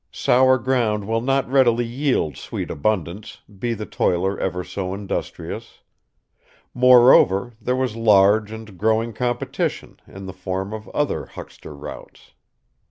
Sour ground will not readily yield sweet abundance, be the toiler ever so industrious. Moreover, there was large and growing competition, in the form of other huckster routes.